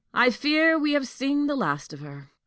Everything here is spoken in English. I fear we have seen the last of her."